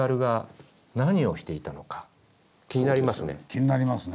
気になりますね。